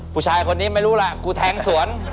ผู้ชายคนนี้ไม่รู้ล่ะกูแทงสวน